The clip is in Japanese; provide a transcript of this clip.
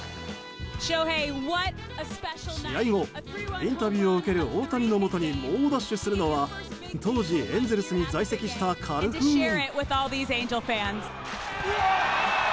試合後、インタビューを受ける大谷のもとに猛ダッシュするのは当時、エンゼルスに在籍したカルフーン。